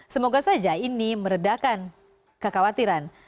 semoga saja ini meredakan kekhawatiran